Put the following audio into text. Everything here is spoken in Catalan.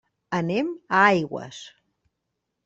Anem a Aigües.